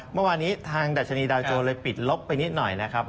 เมื่อวานนี้ทางดัชนีดาวโจรเลยปิดลบไปนิดหน่อยนะครับ